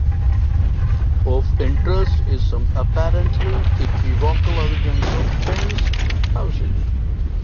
Of interest is some apparently equivocal evidence for "fenced" houses.